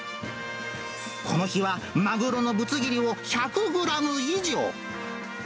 この日はマグロのぶつ切りを１００グラム以上。